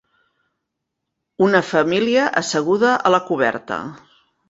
Una família asseguda a la coberta.